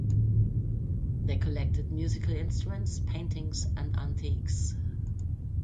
They collected musical instruments, paintings and antiques.